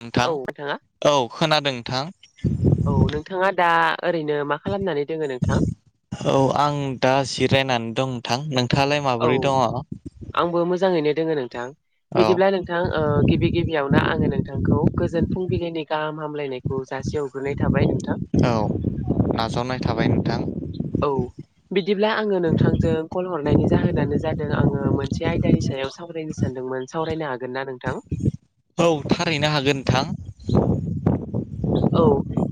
नोंथां औ नोंथाङा औ खोनादों नोंथां औ नोंथाङा दा ओरैनो मा खालामनानै दोङो नोंथां औ आं दा जिरायनानै दं नोंथां नोंथाङालाय औ माबोरै दङ आंबो मोजाङैनो दोङो नोंथां बिदिब्ला नोंथां गिबि गिबियावनो आङो नोंथांखौ गोजोन फुंबिलिनि गाहाम हामलायनायखौ जासे हरग्रोननाय थाबाय नोंथां नाजाव औ बिदिब्ला आङो नोंथांजों कल हरनायनि होनानो जादों आङो मोनसे आयदानि सायाव सावरायनो सानदोंमोन सावरायनो हागोन ना नोंथां औ थारैनो हागोन नोंथां औ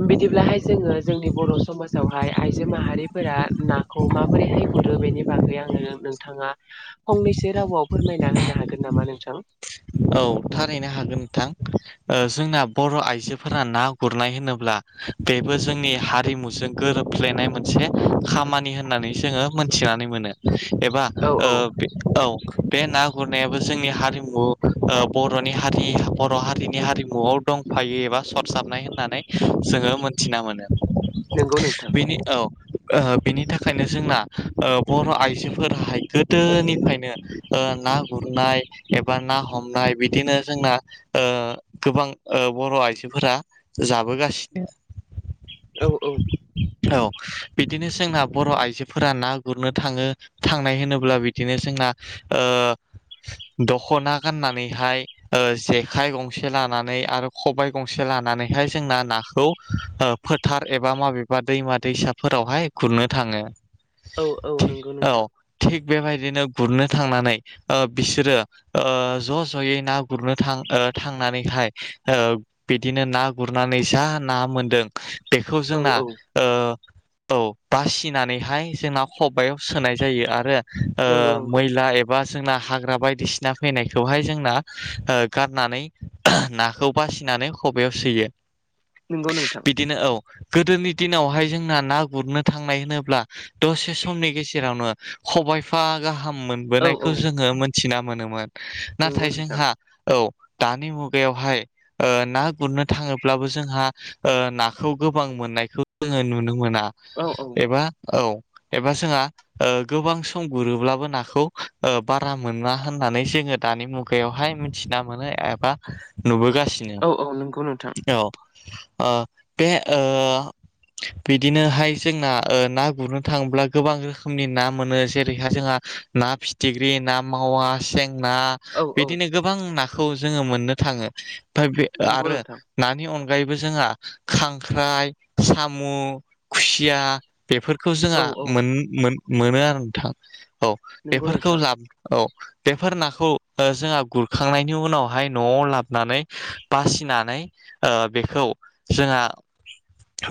बिदिब्लाहाय जोङो जोंनि बर' समाजावहाय आइजो माहारिफोरा नाखौ माबोरैहाय गुरो बेनि बागै आङो नोंथाङा फंनैसो रावआव फोरमायना होनो हागोन नामा [unintelligible] औ थारैनो हागोन नोंथां जोंना बर' आइजोफोरा ना गुरनाय होनोब्ला बेबो जोंनि हारिमुजों गोरोब्लायनाय मोनसे मोनसे खामानि होननानै जोङो मोनथिनानै मोनो एबा औ औ औ बे ना गुरनायाबो जोंनि हारिमु बर'नि हारि बर' हारिनि हारिमुआव दंफायो एबा सरजाबनाय होननानै जोङो मोनथिना मोनो नंगौ नोंथां बिनि थाखायनो जोंना बर' आइजोफोराहाय गोदोनिफ्रायनो ना गुरनाय एबा ना हमनाय बिदिनो जोंना गोबां बर' आइजोफोरा जाबोगासिनो बे औ औ बिदिनो जोंना बर' आइजोफोरा ना गुरनो थाङो थांनाय होनोब्ला बिदिनो जों दखना गाननानैहाय जेखाइ गंसे लानानै आरो खबाइ गंसे लानानैहाय जोंना न खौ फोथार एबा माबेबा दैमा दैसाफोरावहाय खुरनो थाङो औ औ थिग नंगौ औ नोंथां थिग बेबायदिनो गुरनो थांनानै बिसोरो ज' ज'यै ना गुरनो थां थांनानैहाय बिदिनो ना गुरनानै ज ना मोनदों बेखौ औ जोंना औ औ बासिनानैहाय जोंना खबायाव सोनाय जायो आरो नंगौ नंगौ मैला एबा जोंना हाग्रा बायदिसिना फैनायखाय बेखौहाय जोंना गारनानै नाखौ बासिनानै खबयाव सोयो नंगौ नोंथां बिदिनो औ गोदोनि दिनावहाय जोंना ना गुरनो थांनाय होनोब्ला दसे समनि गेजेरावनो खबायाइफा गाहाम औ औ मोनबोनायखौ जोङो मोनथिना मोनोमोन नंगौ नाथाय नोंथां जोंहा औ दानि मुगायावहाय ना गुरनो थाङोब्लाबो जोंहा नाखौ गोबां मोननायखौ जोङो नुनो मोना औ औ एबा औ एबा जोंहा गोबां सम गुरोब्लाबो नाखौ बारा मोना होननानैसो जङो दानि मुगायावहाय मिथिना मोनो एबा नुबोगासिनो औ औ नोंगौ नोंथां औ बे बिदिनोहाय जोंना ना गुरनो थाङोब्ला गोबां रोखोमनि ना मोनो जेरैहाय जोंहा ना फिथिख्रि ना मावा सें ना औ औ बिदिनो गोबां नाखौ जोङो मोननो थाङो ओमफ्राय बे नंगौ आरो नोंथां नानि अनगायैबो जोंहा खांख्राइ साम' खुसिया बेफोरखौ औ जोंहा औ मोन मोनो आरो नोंथां औ नंगौ बेफोरखौ नोंथां ला औ बेफोर नाखौ जोंहा गुरखांनायनि उनावहाय न'आव लाबोनानै बासिनानै बेखौ जोंहा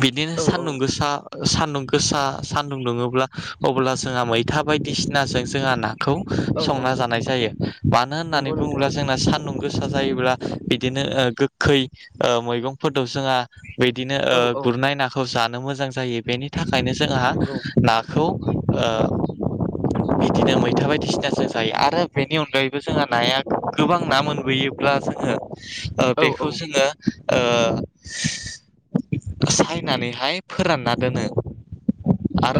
बिदिनो औ औ सान्दुं गोसा सान्दुं गोसा सान्दुं दुङोब्ला अब्ला जोंहा मैथा बायदिसिनाजों जोंहा नाखौ औ औ संना जानाय जायो मानो होननानै नंगौ बुङोब्ला नोंथां जोंना सान सानदुं गोसा जायोब्ला बिदिनो गोखै मैगंफोरफोरखौ जोंहा बिदिनो औ औ गुरनाय नाखौ जानो मोजां जायो बेनि थाखायनो जोंहा नंगौ नाखौ बिदिनो मैथा बायदिसिना जों जायो आरो बेनि अनगायैबो जोंहा नाया गोबां ना मोनबोयोब्ला जोङो औ बेखौ जोङो सायनानैहाय फोरानना दोनो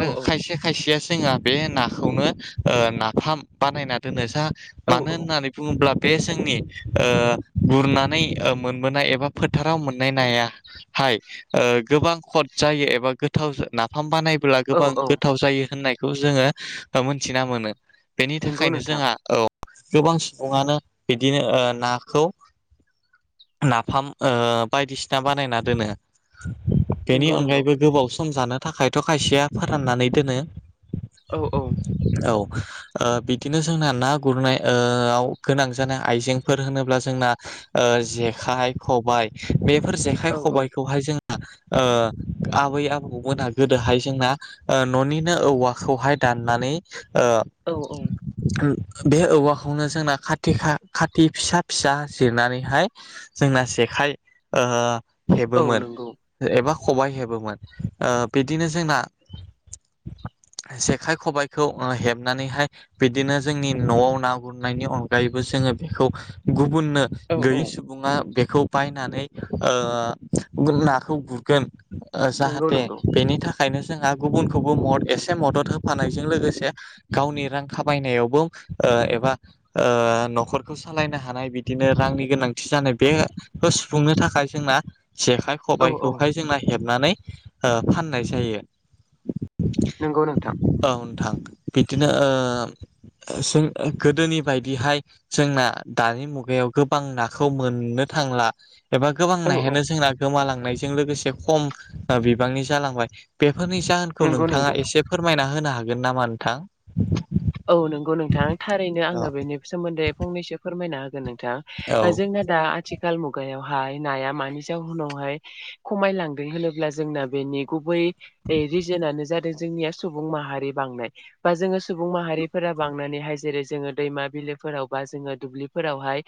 औ खायसे खायसेया जोंहा बे नाखौनो नाफाम बानायना दोनो जा मानो होननानै बुङोब्ला बे जोंनि गुरनानै मोनबोनाय एबा फोथाराव मोननाय नाया गोबां खद जायो एबा गोथाव नाफाम बानाय होनब्ला औ गोबां औ गोथाव जायो होननायखौ जोङो मोनथिना मोनो बेनि नंगौ थाखायनो नोंथां जोंहा गोबां सुबुङानो बिदिनो नाखौ नाफाम बायदिसिना बानायना दोनो बेनि नंगौ नंगौ अनगायैबो गोबाव सम जानो थाखायथ' खायसेया फोराननानै दोनो औ औ औ बिदिनो जोंना ना गुरनाय गोनां जानाय आइजेंफोर होनोब्ला जोंना जेखाइ खबाइ बेफोर जेखाइ औ खबाइखौहाय जों आबै आबौमोना गोदोहाय जोंना न'निनो औवाखौहाय दाननानै औ औ बे औवाखौनो जोंना खा खाथि फिसा फिसा जिरनानैहाय जोंना जेखाइ खाय औ हेबोमोन नंगौ एबा खबाय हेबोमोन बिदिनो जोंना जेखाय खबाइखौ हेबनानैहाय बिदिनो जोंनि न'आव ना गुरनायनि अनगायैबो जोङो बेखौ गुबुननो औ औ गैयै सुबुङा बे खौ बायनानै नाखौ गुरगोन नंगौ जाहाथे नंगौ बेनि थाखाय ओंखायनो जोंहा गुबुनखौबो मदद एसे मदद होफानायजों लोगोसे गावनि रां खामायनायावबो एबा न'खरखौ सालायनो हानाय बिदिनो रांनि गोनांथि जानाय बे खौ सुफुंनो थाखाय जोंना जेखाइ औ औ खबाइखौहाय जोंना हेबनानै फाननाय जायो नोंगौ नोंथां औ नोंथां बिदिनो जों गोदोनि बायदिहाय जोंना दानि मुगायाव गोबां नाखौ मोननो थाखाय थांला एबा औ औ गोबांनायानो जोंना गोमालांनायजों लोगोसे खम बिबांनि जालांबाय बे फोरनि जाहोनखौ नंगौ नोंथाङा नंगौ एसे फोरमायना होनो हागोन नामा नोंथां औ नंगौ नोंथां थारैनो औ आङो बेनि सोमोन्दै फंनैसो फोरमायना होगोन नों औ जोंना दा आथिखाल ाल मुगायावहाय नाया मानि जाहोनावहाय खमाय लांदों होनोब्ला जोंना बेनि गुबै रिजोनानो जादों जोंनिया सुबुं माहारि बांनाय होमबा जों सुबुं सुबुं माहारिफोरा बांनानैहाय जेरै जोङो दैमा बिलोफोराव बा जोङो दुब्लिफोरावहाय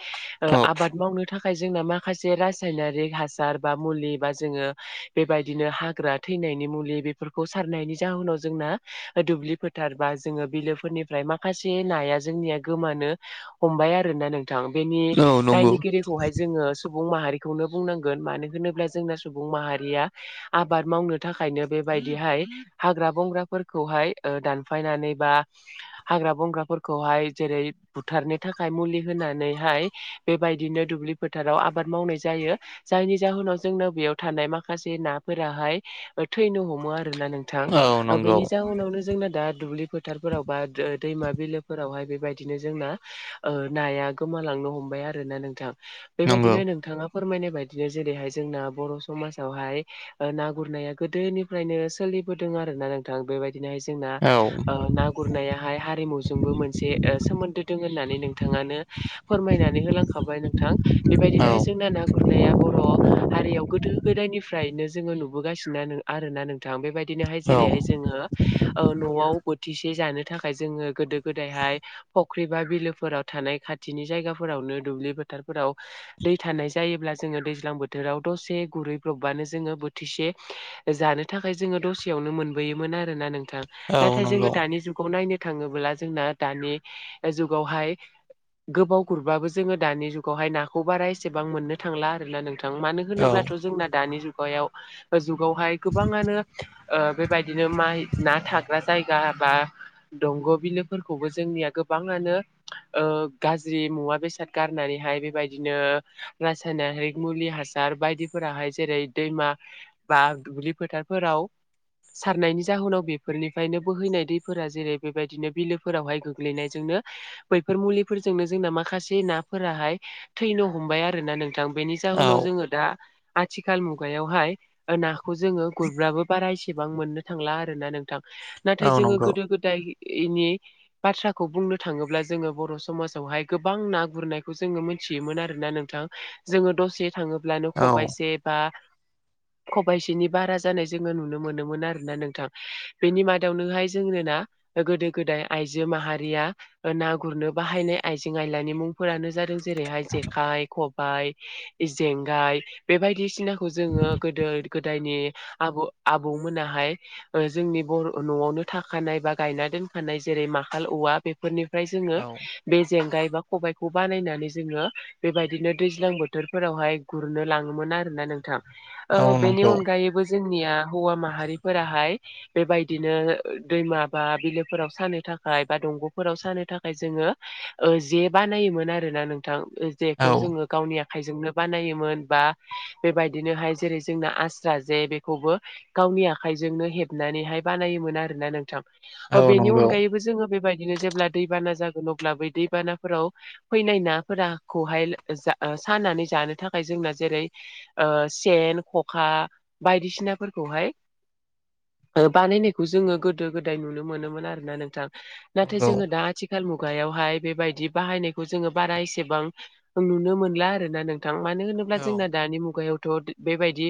आबाद मावनो थाखाय थाखाय जोंना माखासे रायनारिक हासार बा मुलि बा जोङो बेबायदिनो हाग्रा थै थैनायनि मुलि बेफोरखौ सारनायनि जावनाव जोंना दुब्लि फोथार बा जोंङो बिलोफोरनिफ्राय माखासे नाया जोंनिया गोमानो हमबाय आरोना नोंथां बेनि औ नंगौ दायनिगिरिखौहाय जोङो सुबुं माहारिखौनो बुंनांगोन मानो होनोब्ला जोंना सुबुं माहारिया आबाद मावनो थाखायनो बे बेबायदिहाय हाग्रा बंग्राफोरखौहाय दानफायनानै बा [unintelligible] हाग्रा बंग्राफोरखौहाय जेरै बुथारनो थाखाय मुलि होनानैहाय बेबायदिनो द दुब्लि फोथाराव आबाद मावनाय जायो जायनि जाहोनाव जोंनोाव बेयाव थानाय माखासे नाफोराहाय थैनो हमो आर ना नोंथां औ नंगौ बेनि जाउनावनो जोंना दा दुब्लिफोर फोथारफोराव बा दैमा बिलोफोरावहाय बेबायदिनो जोंना नाया गोमालांनो हमबाय आरोना नोंथां नंगौ बेबायदिनो नोंथाङा फोरमायनाय बायदिनो जेरैहाय जोंना बर' समाजावहाय ना गुरनाया गोदोनिफ्रायनो दों आरो ना नोंथां बेबायदिनोहाय जोंना औ ओ ना गुरनायाहाय हारिमुजोंबो मोनसे सोमोन्दो दं होननानै नोंथाङानो फोरमायनानै लांखाबाय नोंथां औ बेबायदिनोहाय जोंना ना गुरनाया बर' हारियाव गोदो गोदायनिफ्रायनो जोङो नुबोगासिनोना आर ना नोंथां बेबायदि बिदिनोहाय औ जेरैहाय जोङो न'आव खाथिसे जानो थाखाय जोङो गोदो गोदायहाय फख्रि बा बिलोफोराव थानाय खाथिनि जायगाफोराव दुब्लिफोथारफोराव दै थानाय जायोब्ला जोङो दैज्लां बोथोराव दसे गुरैब्रबानो ज बोथिसे जानो थाखाय जोङो दसेयावनो मोनबोयोमोन आरोना नोंथां औ नाथाय जोङो नंगौ जुाव नायनो थाङोब्ला जोंना दानि जुगावहाय गोबाव गुरबाबो जोङो दानि जुगावहाय नाखौ बारा एसेबां मोननो थांला आरोना नोंथां मानो औ होनोब्लाथ' जोंना दानि जुगाव जुगावहाय गोबाङानो बेबायदिनो माइ ना थाग्रा जायगा बा दंग' बिलोफोरखौबो जोंनिया गोबाङानो गाज्रि मुवा बेसाद गारनानै बेबायदिनो रासायनारिक मुलि हासार बायदिफोराहाय जेरै दैमा बा दुब्लि फोथारफोराव सारनायनि जाहोनाव बेफोरनिफ्रायनो बोहैनाय जेरै बेबायदिनो बिलोफोरावहाय गोग्लैनायजोंनो बैफोर मुलिफोरजोंनो जोंना माखासे ना फोराहाय थैनो हमबाय आरोना नोंथां बेनि औ जाहोनाव जोङो दा आथिखाल मुगायावहाय नाखौ जोङो गुरब्राबो बारायसिग एसेबां मोननो थांला आरो ना नोंथां औ नाथाय जोङो नंगौ गोदो गोदाय नि बाथ्राखौ बुंनो थाङोब्ला जोङो बर' समाजावहाय गोबां ना गुरनायखौ जोङो मिथियोमोन आरोना नोंथां जोङो दसे थाङोब्लानो औ खबाइसे बा खबाइसेनि बारा जानाय जोङो नुनो मोनोमोन आरोना नोंथां बेनि मादावनोहाय जोंना गोदो गोदाय आइजो माहारिया ना गुरनो बाहायनाय आइजें आयलानि मुंफोरानो ब जेरैहाय जेखाइ खब जेंगाय बेबायायदिसिनाखौ जोङो गोदो गोदायनि आब आबौ मोनाहाय जोंनि बर' न'आवनो थाखानाय बा गायना दोनखानाय जेरै माखाल औवा बेफोरनिफ्राय जोङो औ बे जेंगाय एबा खबाइखौ बानायनानै जोङो बेबायदिनो दैज्लां बोथोरफोरावहाय गुरनो लाङोमोन आरो ना नोंथां औ बेनि नंगौ अनगायैबो जोंनिया हौवा माहारिफोराहाय बेबायदिनो दैमा बा बिलोफोराव सानो थाखाय बा दंग'फोराव सानो थाखाय जोङो जे बा नायोमोन आरोना नोंथां औ जेखौ जोङो गावनि आ आखाइजोंनो बानायोमोन बा बेबायदिनोहाय जेरै जोंना आस्रा जे बेखौबो गाव आंनि आखाइजोंनो हेबनानैहाय बानायोमोन आरो नोंथां औ बेनि नंगौ अनगायैबो जोङो बेबायदिनो जेब्ला दैबाना जाग अब्ला बै दैबानाफोराव फैनाय नाफोराखौहाय सानानै जानो थाखाय जों जोंना जेरै सेन खखा बायदिसिनाफोरखौहाय [unintelligible] बानायनायखौ जोङो गोदो गोदाय नुनो मोनोमोन आर ना नोंथां नाथाय नंगौ जोङो दा आथिखाल मुग खुगायावहाय बेबायदि बाहायनायखौ जोङो बारा एसेबां नुनो मोनला आरोना नोंथां थां मानो होनोब्ला औ जोंना दानि मुगायाव बेबायदि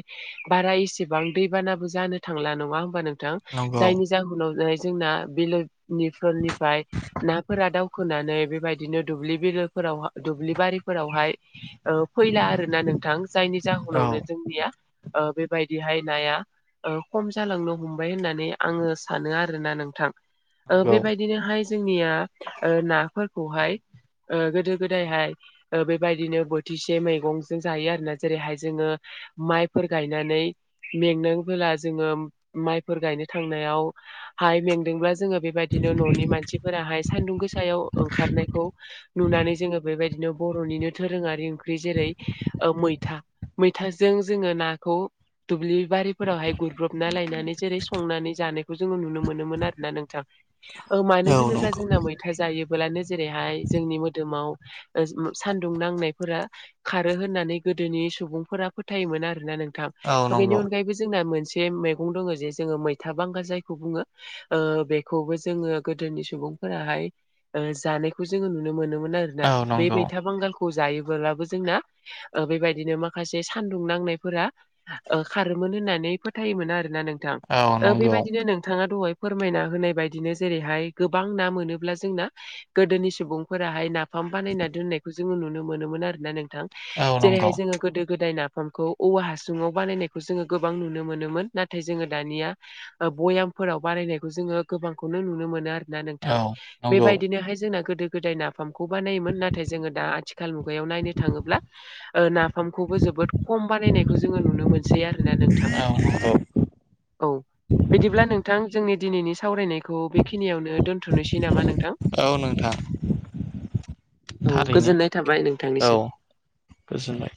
बारा एसेबां दैबानाबो जानो थांला नङा होमबा नोंथां नंगौ जायनि जाहोनाव जोंना बिलोनिफोरनिफ्राय नाफोरा दावखोनानै बेबायदिनो दुब्लि बिलोफोराव दुब्लि बारिफोरावहाय फैला आरो ना नोंथां जायनि औ जाहोनावनो जोंनिया ओ बेबायदिहाय नाया ओ खम जालांनो हमबाय होननानै आङो सानो आरोना नोंथां ओ नंगौ बेबायदिनोहाय जोंनिया ओ नाफोरखौहाय ओ गोदो गोदायहाय ओ बेबायदिनो बोथिसे मैगंजों जायो आरोना जेरैहाय जोङो माइफोर गायनानै मेंनांबोला जोङो माइफोर गायनो थांनायाव हाय मेंदोंब्ला जोङो बेबायदिनो न'नि मानसिफोराहाय सान्दुं गोसायाव ओंखारनायखौ नुनानै जोङो बेबायदिनो बर'निनो दोरोङारि ओंख्रि जेरै ओ मैथा मैथाजों जोङो नाखौ दुब्लि बारि फोरावहाय गुरब्रबना लायनानै जेरै संनानै जानाय खौ जोङो नुनो मोनोमोन आरोना नोंथां ओ मानो औ होनोब्ला नंगौ जोंना मैथा जायोब्ला जेरैहाय जोंनि मोदोमाव ओ सान्दुं नांनायफोरा खारो होननानै गोदोनि सुबुंफोरा फोथायोमोन आरोना नों औ बेनि नंगौ अनगायैबो जोंना मोनसे मैगं दङ जे जोङो मैथा बांगाल जायखौ खौ बुङो बेखौबो जोङो गोदोनि सुबुंफोराहाय ओ जानायखौ जोङो नुनो मोनोमोन आरोना औ बेै नंगौ मैथा बांगाल खौ जायोबोलाबो जोंना ओ बेबायदिनो माखासे सानदुं नांनायफोरा ओ खारो मोन होननानै फोथायोमोन आरोना नोंथां औ ओ नंगौ बेबादिनो थांआ दहाय फोरमायना होनाय बायदिनो जेरैहाय गोबां ना मोनोब्ला जोंना गोदोनि सुबुंफोराहाय नाफाम बानायना दोननायखौ जोङो नुनो मोनोन आरो ना नोंथां औ नंगौ जेरैहाय जोङो गोदो गोदाय नाफाम फोरखौ औवा हासुङाव बानायनायखौ जोङो गोबां नुनो मोनोम मोनोन नाथाय जोङो दानिया भयाम फोराव बारायनायखौ जोङो गोबांखौनो नुनो मोनो आरोना नोंथां औ नंगौ औ नंगौ बेबायदिनोहाय जोंना गोदो गोदाय ना फामखौ बानायोमोन नाथाय जोङो दा आथिखाल मुगायाव नायनो थाङोब्ला ओ नाफामखौबो जोबोद खम खम बानायनायखौ जोङो नुनो मोनसै आरोना नोंथां [unintelligible] औ बिदिब्ला नोंथां जोंनि दिनैनि सावरायनायखौ बे खिनियावनो दोन्थ'नोसै नामा नोंथां औ नोंथां औ थारैनो गोजोननाय थाबाय नोंथांनिसिम। बाय